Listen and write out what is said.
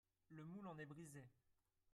Le moule en est brise